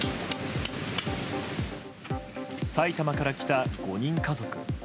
埼玉から来た５人家族。